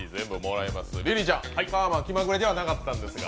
リリーちゃん、気まぐれではなかったんですが。